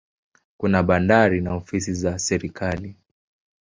Kuna bandari na ofisi za serikali.